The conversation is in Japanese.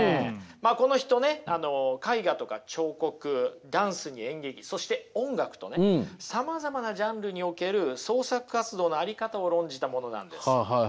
この人ね絵画とか彫刻ダンスに演劇そして音楽とねさまざまなジャンルにおける創作活動の在り方を論じた者なんです。